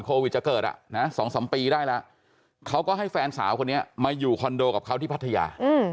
โควิดจะเกิด๒๓ปีได้แล้วเขาก็ให้แฟนสาวคนนี้มาอยู่คอนโดกับเขาที่พัทยา